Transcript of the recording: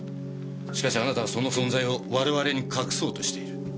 しかしあなたはその存在を我々に隠そうとしている。